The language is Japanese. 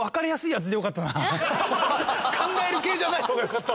考える系じゃないほうが良かった。